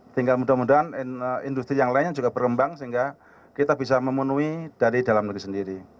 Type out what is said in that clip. tinggal mudah mudahan industri yang lainnya juga berkembang sehingga kita bisa memenuhi dari dalam negeri sendiri